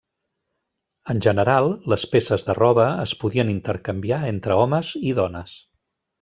En general, les peces de roba es podien intercanviar entre homes i dones.